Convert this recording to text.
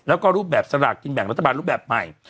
แล้วก็รูปแบบสลากกินแบ่งรัฐบาลรูปแบบใหม่